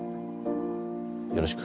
よろしく。